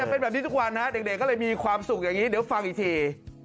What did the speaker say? เป็นแบบนี้ทุกวันนะเด็กก็เลยมีความสุขอย่างนี้เดี๋ยวฟังอีกที